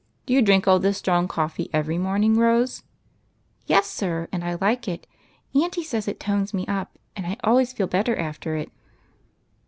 Do you drmk all this strong coffee every morning. Rose ?"" Yes, sir, and I like it. Auntie says it ' tones' me up, and I always feel better after it."